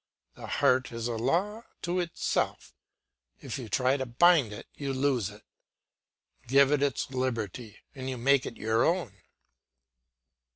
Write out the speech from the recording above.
The heart is a law to itself; if you try to bind it, you lose it; give it its liberty, and you make it your own.